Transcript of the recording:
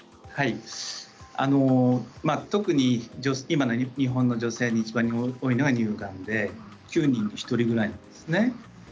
特に今の日本の女性にいちばん多いのは乳がんで９人に１人ぐらいなんですね。